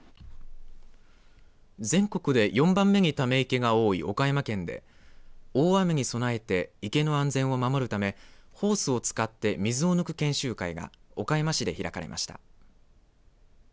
全国で４番目にため池が多い岡山県で大雨に備えて池の安全を守るためホースを使って水を抜く研修会が岡山市で開かれました。